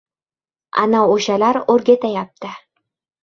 Ana o‘shalar o‘rgatayapti.